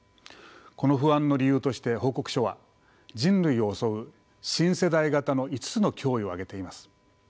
この不安の理由として報告書は人類を襲う新世代型の５つの脅威を挙げています。